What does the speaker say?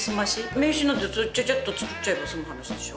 名刺なんてちゃちゃっと作っちゃえば済む話でしょ？